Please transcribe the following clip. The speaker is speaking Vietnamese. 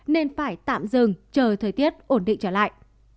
nên phải tạm dừng chờ thời tiết ổn định trở lại